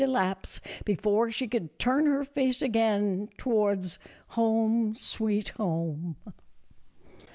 elapse before she could turn her face again towards " home, sweet home."